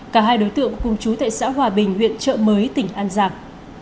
cả hai đối tượng cùng chú tại xã hòa bình huyện trợ mới tỉnh an giang